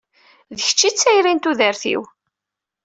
D kečč i d tayri n tudert-iw.